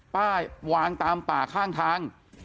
ป้าวางตามป่าข้างทาง